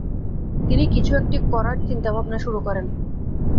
তিনি কিছু একটি করার চিন্তাভাবনা শুরু করেন।